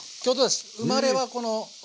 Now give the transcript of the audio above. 生まれはこのあ！